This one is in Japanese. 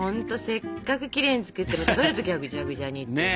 せっかくきれいに作っても食べる時はぐちゃぐちゃにってね。